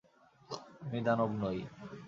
আমি দানব নই।